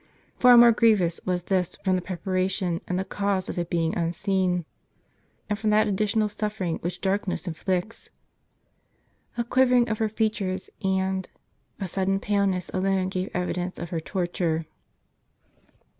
Far more griev ous was this, from the preparation and the cause of it being unseen, and from that additional suffering which darkness inflicts. A quivering of her features and a sudden paleness alone gave evidence of lier torture.